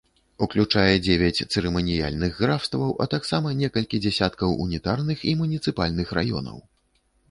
Уключае дзевяць цырыманіяльных графстваў, а таксама некалькі дзясяткаў унітарных і муніцыпальных раёнаў.